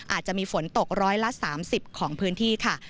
อาจจะมีฝนตกร้อยละ๓๐ของพื้นที่ค่ะ